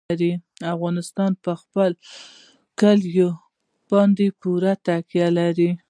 افغانستان په خپلو کلیو باندې پوره تکیه لري.